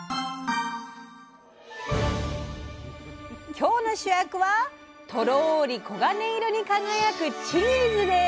今日の主役はとろり黄金色に輝く「チーズ」です。